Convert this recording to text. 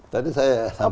tadi saya sampaikan